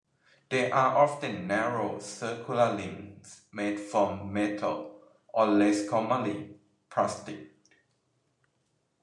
They are often narrow circular rings made from metal, or less commonly, plastic.